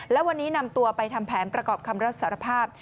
และวันนี้นำตัวไปทำแผนประกอบคำรับสารภาพ